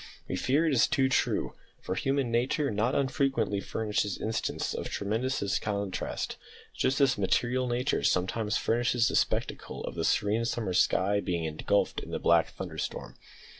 We fear it is too true, for human nature not unfrequently furnishes instances of tremendous contrast, just as material nature sometimes furnishes the spectacle of the serene summer sky being engulfed in the black thunderstorm!